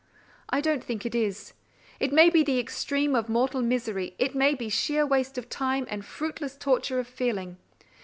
I don't think it is. It may be the extreme of mortal misery, it may be sheer waste of time, and fruitless torture of feeling.